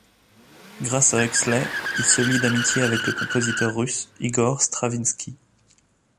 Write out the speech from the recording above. Grâce à Huxley, il se lie d'amitié avec le compositeur russe Igor Stravinsky.